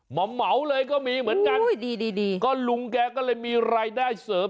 เหมาเลยก็มีเหมือนกันดีก็ลุงแกก็เลยมีรายได้เสริม